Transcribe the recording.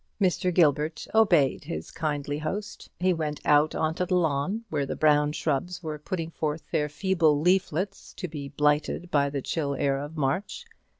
Mr. Gilbert obeyed his kindly host. He went out on to the lawn, where the brown shrubs were putting forth their feeble leaflets to be blighted by the chill air of March.